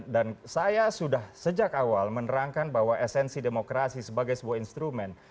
dan saya sudah sejak awal menerangkan bahwa esensi demokrasi sebagai sebuah instrumen